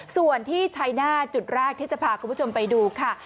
ส่วนที่ชัยหน้าจุดแรกที่จะพาคุณผู้ชมไปดูค่ะ